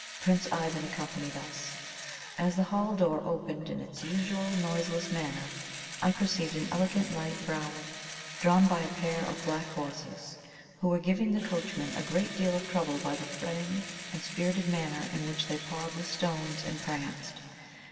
Prince Ivan accompanied us. As the hall door opened in its usual noiseless manner, I perceived an elegant light brougham drawn by a pair of black horses, who were giving the coachman a great deal of trouble by the fretting and spirited manner in which they pawed the stones and pranced.